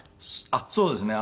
あっそうですね。